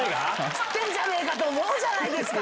食ってんじゃねえかと思うじゃないですか。